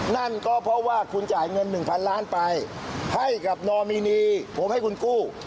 นั่นก็เพราะว่าคุณจ่ายเงิน๑๐๐ล้านไปให้กับนอมินีผมให้คุณกู้